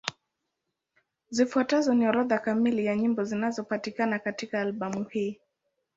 Zifuatazo ni orodha kamili ya nyimbo zinapatikana katika albamu hii.